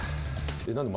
えっ？何で？